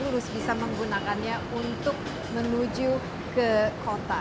yang selalu terus bisa menggunakannya untuk menuju ke kota